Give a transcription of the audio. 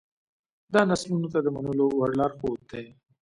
دا نسلونو ته د منلو وړ لارښود دی.